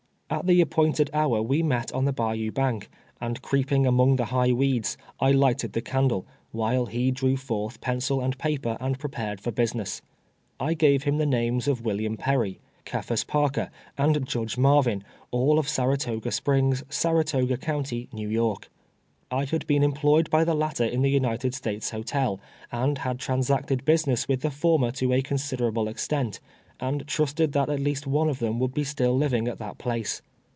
At the a])pointed hour we met on the bayou bank, and cree}>ing among the liigh Aveeds, I lighted the candle, while he drew forth j)encil and paj'cr and pre pared .for business. I gave him the names of Wil liam Perry, Cephas Parker and Judge Marvin, all of Saratoga Springs, Saratoga county, New Yoi k. I had been employed by the latter in the United States Hotel, and had transacted business with the former to a considerable extent, and trusted that at least one of them would be still living at that place.